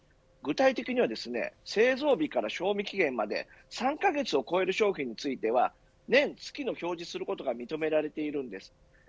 具体的には製造日から賞味期限まで３カ月を超える商品については年月を表示することは認められているんです。